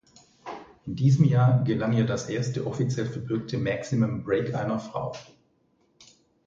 In diesem Jahr gelang ihr das erste offiziell verbürgte Maximum Break einer Frau.